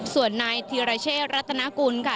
ส่วนนายธีรเชษรัตนากุลค่ะ